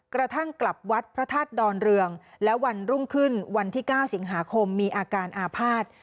กระทั่งกลับวัดพระธาตุดอนเรืองและวันรุ่งขึ้นวันที่๙สิงหาคมมีอาการอาภาษณ์